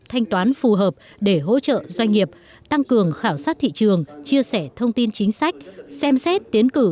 thanh toán phù hợp để hỗ trợ doanh nghiệp tăng cường khảo sát thị trường chia sẻ thông tin chính sách xem xét tiến cử